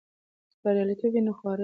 که بریالیتوب وي نو خواري نه هېریږي.